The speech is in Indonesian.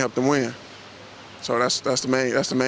jadi itu fokus utama